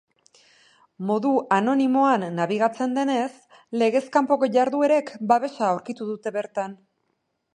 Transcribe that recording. Modu anonimoan nabigatzen denez, legez kanpoko jarduerek babesa aurkitu dute bertan.